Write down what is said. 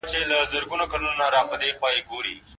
د دلارام په غرونو کي د ښکار لپاره مناسب ځایونه سته